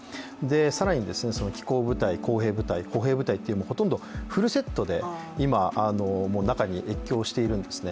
更にですね、機甲部隊、工兵部隊、歩兵部隊っていうのが、ほとんどフルセットで今、中に越境しているんですね。